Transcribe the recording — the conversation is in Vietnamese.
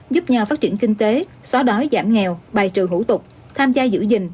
giúp nhau phát triển kinh tế xóa đói giảm nghèo bài trừ hủ tục tham gia giữ gìn